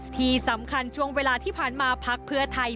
ที่สำคัญช่วงเวลาที่ผ่านมาพักเพื่อไทย